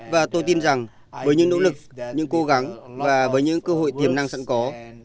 và tôi tin rằng với những nỗ lực những cố gắng và với những cơ hội tiềm năng sẵn có